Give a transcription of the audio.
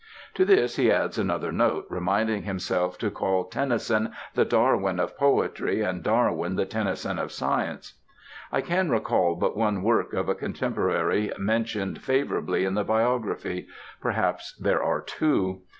To this he adds another note reminding himself to call "Tennyson the Darwin of Poetry, and Darwin the Tennyson of Science." I can recall but one work of a contemporary mentioned favorably in the biography; perhaps there are two.